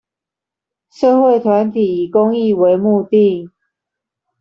社會團體以公益為目的